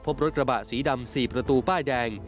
พบรถกระบะสีดำ๔ประตูป้ายแดง